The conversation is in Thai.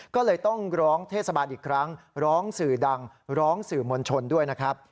ก็เลยต้องร้องเทศบาลอีกครั้งร้องสื่อดังร้องสื่อมวลชนด้วยนะครับ